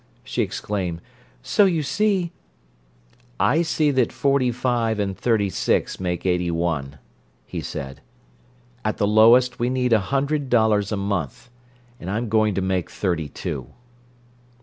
she exclaimed. "So you see—" "I see that forty five and thirty six make eighty one," he said. "At the lowest, we need a hundred dollars a month—and I'm going to make thirty two."